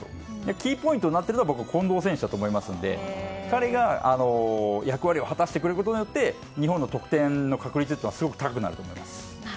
キーポイントになっているのは近藤選手だと思いますので彼が役割を果たしてくれることによって日本の得点の確率は高くなると思います。